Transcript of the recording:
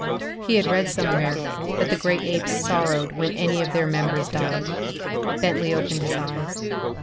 He had read somewhere that the great apes sorrowed when any of their members died. Bentley opened his eyes.